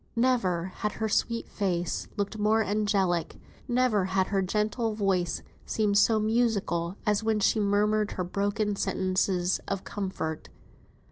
Never had her sweet face looked more angelic, never had her gentle voice seemed so musical as when she murmured her broken sentences of comfort.